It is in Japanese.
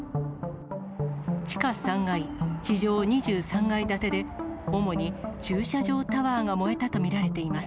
地下３階地上２３階建てで、主に駐車場タワーが燃えたと見られています。